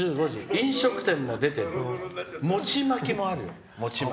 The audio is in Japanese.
飲食店も出て、もちまきもあるよ。